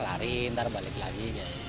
lari ntar balik lagi